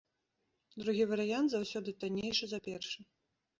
Другі варыянт заўсёды таннейшы за першы.